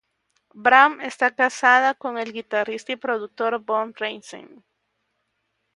Brown está casada con el guitarrista y productor Bo Ramsey.